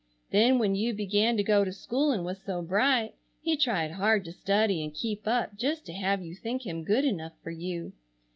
Then when you began to go to school and was so bright he tried hard to study and keep up just to have you think him good enough for you.